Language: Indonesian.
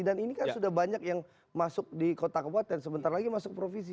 dan ini kan sudah banyak yang masuk di kota kabupaten sebentar lagi masuk provisi